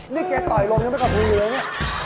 นี่แกต่อยลมยังมักระพืโหยเลยรึไง